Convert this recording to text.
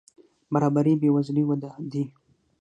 برابري بې وزلي وده دي.